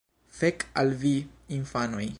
Fek' al vi infanoj!